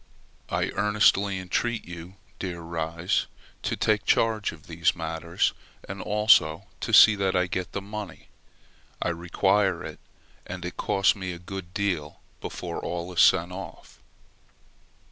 I earnestly entreat you, dear Ries, to take charge of these matters, and also to see that I get the money; I require it, and it costs me a good deal before all is sent off.